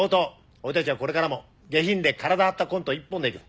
俺たちはこれからも下品で体張ったコント一本でいく。